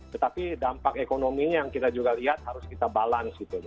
tetapi dampak ekonominya yang kita juga lihat harus kita balance gitu